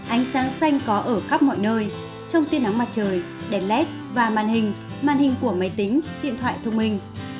ánh sáng xanh có ở khắp mọi nơi trong tiên nắng mặt trời đèn led và màn hình màn hình của máy tính điện thoại thông minh